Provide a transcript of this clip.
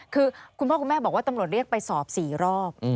คือคุณพ่อคุณแม่บอกว่าตำรวจเรียกไปสอบ๔รอบ